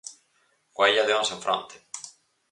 Coa Illa de Ons en fronte.